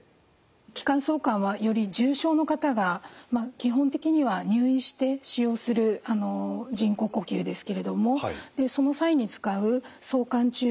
気管挿管はより重症の方が基本的には入院して使用する人工呼吸ですけれどもその際に使う挿管チューブとなります。